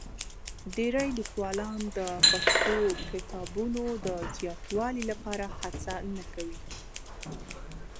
ډېری لیکوالان د پښتو کتابونو د زیاتوالي لپاره هڅه نه کوي.